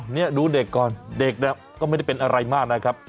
นี่ดูเด็กก่อนเด็กเนี่ยก็ไม่ได้เป็นอะไรมากนะครับ